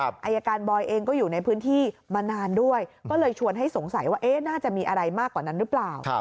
อายการบอยเองก็อยู่ในพื้นที่มานานด้วยก็เลยชวนให้สงสัยว่าน่าจะมีอะไรมากกว่านั้นหรือเปล่า